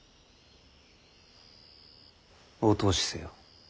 お通しせよ。